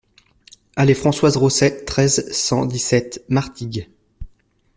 Allée Françoise Rosay, treize, cent dix-sept Martigues